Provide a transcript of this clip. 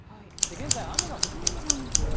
現在、雨が降っています。